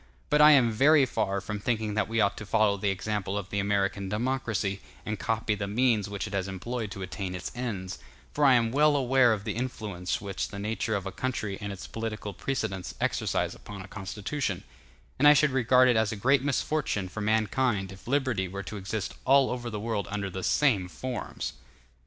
But I am very far from thinking that we ought to follow the example of the American democracy, and copy the means which it has employed to attain its ends; for I am well aware of the influence which the nature of a country and its political precedents exercise upon a constitution; and I should regard it as a great misfortune for mankind if liberty were to exist all over the world under the same forms.